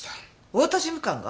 太田事務官が？